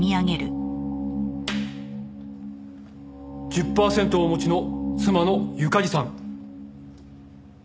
１０パーセントをお持ちの妻のゆかりさん。